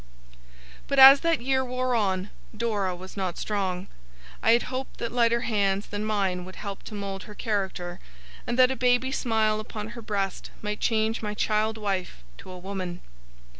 But, as that year wore on, Dora was not strong. I had hoped that lighter hands than mine would help to mould her character, and that a baby smile upon her breast might change my child wife to a woman.